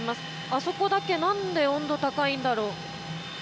あそこだけ何で温度高いんだろう。